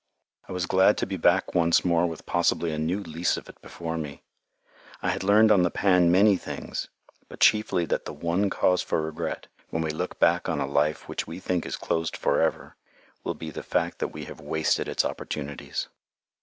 I was glad to be back once more with possibly a new lease of it before me. I had learned on the pan many things, but chiefly that the one cause for regret, when we look back on a life which we think is closed forever, will be the fact that we have wasted its opportunities.